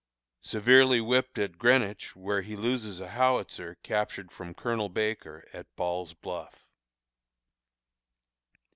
Severely whipped at Greenwich, where he loses a Howitzer captured from Colonel Baker at Ball's Bluff.